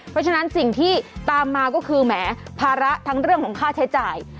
เพราะฉะนั้นสิ่งที่ตามมาก็คือแหมภาระทั้งเรื่องของค่าใช้จ่าย